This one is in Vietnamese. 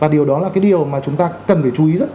và điều đó là cái điều mà chúng ta cần phải chú ý rất là nhiều